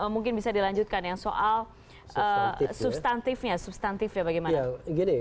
mungkin bisa dilanjutkan yang soal substantifnya substantifnya bagaimana